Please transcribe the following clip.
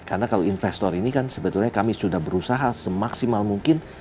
karena kalau investor ini kan sebetulnya kami sudah berusaha semaksimal mungkin